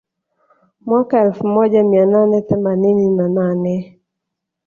Mwaka elfu moja mia nane themanini na nane